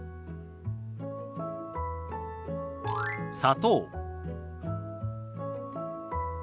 「砂糖」。